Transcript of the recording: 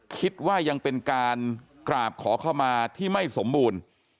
คิดว่ายังเป็นการกราบขอเข้ามาที่ไม่สมบูรณ์